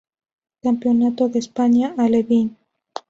Campeonato de España Alevín